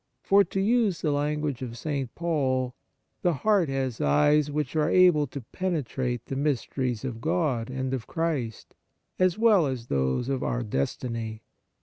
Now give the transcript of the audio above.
For, to use the language of St. Paul, the heart has eyes which are able to penetrate the mysteries of God and of Christ, as well as those of our destiny.